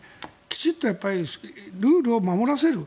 きちんとルールを守らせる。